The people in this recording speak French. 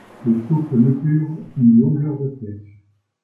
Le souffle mesure une longueur de flèche.